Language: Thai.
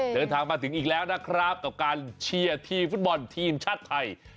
เดินทางมาถึงอีกแล้วนะครับกับการเชียร์ทีมฟุตบอลทีมชาติไทย